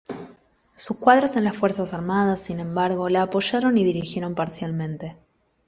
Sus cuadros en las fuerzas armadas, sin embargo, la apoyaron y dirigieron parcialmente.